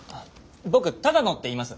僕只野っていいます。